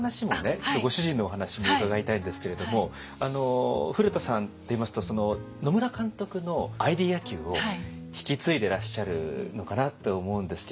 ちょっとご主人のお話も伺いたいんですけれども古田さんといいますと野村監督のＩＤ野球を引き継いでらっしゃるのかなと思うんですけれども。